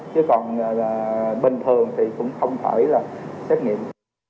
chứ còn bình thường thì cũng không phải là xét nghiệm